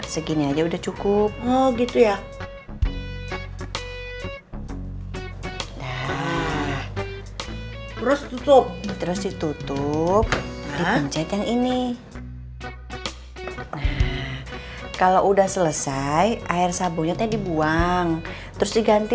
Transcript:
terus tutup terus ditutup pencet yang ini kalau udah selesai air sabunnya dibuang terus diganti